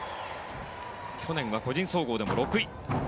去年は個人総合でも６位。